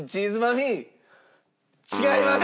違います！